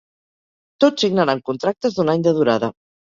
Tots signaran contractes d'un any de durada.